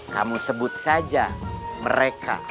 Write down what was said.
kamu sebut saja mereka